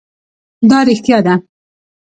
دا رښتیا ده